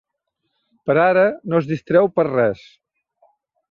Per ara no es distreu per res.